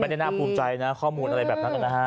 น่าภูมิใจนะข้อมูลอะไรแบบนั้นนะฮะ